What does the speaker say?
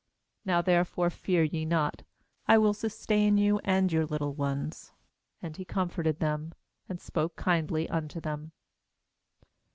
^Now therefore fear ye not; I will sustain you, and your little ones.' And he comforted them, and spoke kindly unto them.